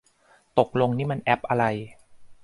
ตกลงนี่มันแอปอะไร